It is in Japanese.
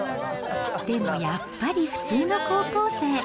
でもやっぱり普通の高校生。